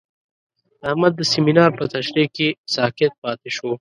احمد د سمینار په تشریح کې ساکت پاتې شو.